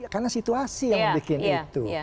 karena situasi yang membuat itu